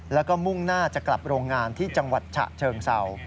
แล้วก็มุ่งหน้าจะกลับโรงงานที่จังหวัดฉะเชิงเศร้า